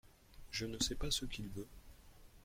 Je ne sais pas ce qu’il veut.